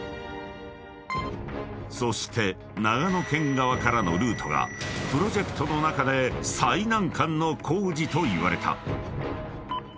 ［そして長野県側からのルートがプロジェクトの中で最難関の工事といわれた］